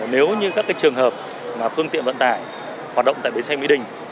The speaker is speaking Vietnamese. nếu như các trường hợp phương tiện vận tải hoạt động tại bến xe mỹ đình